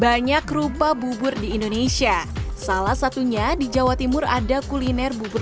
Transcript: banyak rupa bubur di indonesia salah satunya di jawa timur ada kuliner bubur